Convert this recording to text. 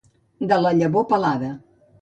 De la llavor pelada.